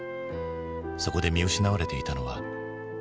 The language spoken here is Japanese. そこで見失われていたのは？